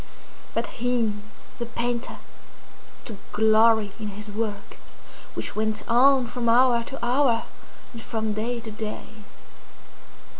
But he, the painter, took glory in his work, which went on from hour to hour, and from day to day.